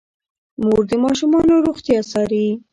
مور د ماشومانو روغتیا څاري.